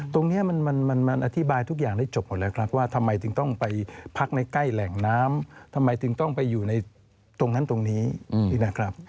ตรงนี้มันอธิบายทุกอย่างได้จบหมดแล้วครับว่าทำไมถึงต้องไปพักในใกล้แหล่งน้ำทำไมถึงต้องไปอยู่ในตรงนั้นตรงนี้นะครับ